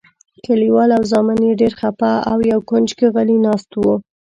کلیوال او زامن یې ډېر خپه او یو کونج کې غلي ناست وو.